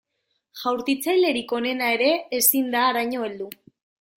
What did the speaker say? Jaurtitzailerik onena ere ezin da haraino heldu.